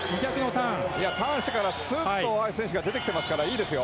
ターンしてからすっと大橋選手が出てきてますからいいですよ。